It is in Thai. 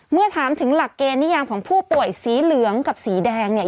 เมื่อถามถึงหลักเกณฑ์นิยามของผู้ป่วยสีเหลืองกับสีแดงเนี่ย